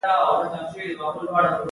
مدیران د شرکت ستراتیژیکې پرېکړې کوي.